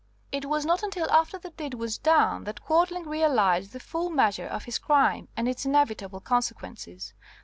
It was not until after the deed was done that Quadling realized the full measure of his crime and its inevitable consequences.